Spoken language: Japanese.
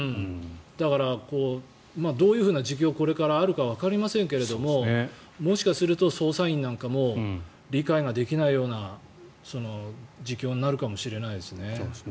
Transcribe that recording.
だからどういうふうな自供がこれからあるかどうかわかりませんけどもしかすると捜査員なんかも理解ができないような自供になるかもしれないですね。